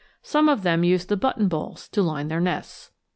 Some of them used the button balls to line their nests.